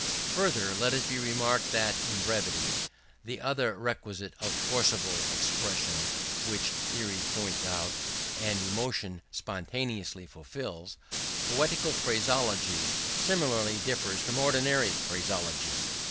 Further, let it be remarked that in brevity the other requisite of forcible expression which theory points out, and emotion spontaneously fulfils poetical phraseology similarly differs from ordinary phraseology.